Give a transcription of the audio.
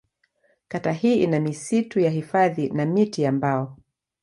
Kata hii ina misitu ya hifadhi na miti ya mbao.